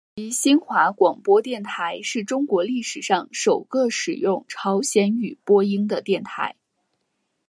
延吉新华广播电台是中国历史上首个使用朝鲜语播音的电台。